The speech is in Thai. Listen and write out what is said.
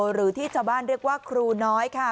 หรือที่ชาวบ้านเรียกว่าครูน้อยค่ะ